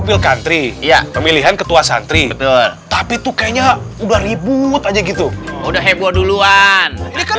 pilkantri pemilihan ketua santri betul tapi tuh kayaknya udah ribut aja gitu udah heboh duluan